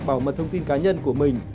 bảo mật thông tin cá nhân của mình